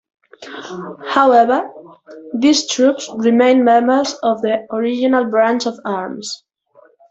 However these troops remain members of their original branch of arms.